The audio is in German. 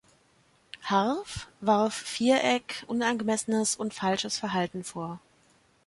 Harff warf Viereck unangemessenes und falsches Verhalten vor.